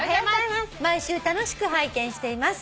毎週楽しく拝見しています」